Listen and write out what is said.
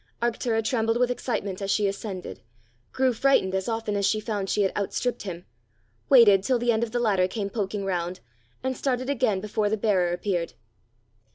Arctura trembled with excitement as she ascended, grew frightened as often as she found she had outstripped him, waited till the end of the ladder came poking round, and started again before the bearer appeared.